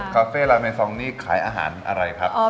คาเฟ่ลาเมซองนี่ขายอาหารอะไรครับ